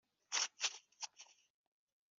bityo wenda akaba ashobora kuba yari